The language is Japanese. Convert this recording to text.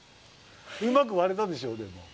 うまくわれたでしょでも。